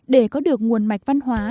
để có được nguồn mạch văn hóa